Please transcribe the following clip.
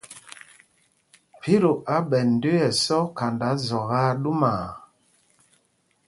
Mpito á ɓɛ ndə̄ə̄ ɛsɔk khanda zɔk aa ɗúmaa.